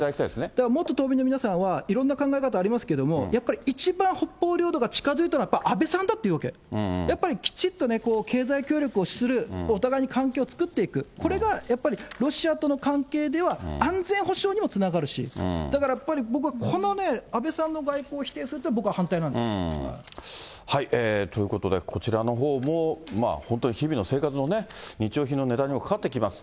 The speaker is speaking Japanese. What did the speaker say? だから元島民の皆さんはいろいろな考え方ありますけど、やっぱり一番北方領土が近づいたのは、安倍さんだっていうわけ、やっぱりきちっと、経済協力をするお互いに関係を作っていく、これがやっぱり、ロシアとの関係では安全保障にもつながるし、だからやっぱり僕はこの安倍さんの外交を否定するのは、僕は反対ということで、こちらのほうも本当に日々の生活のね、日用品の値段にもかかってきます。